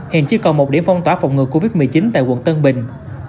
hiện chỉ còn một điểm phong tỏa phòng ngừa covid một mươi chín tại quận tân bình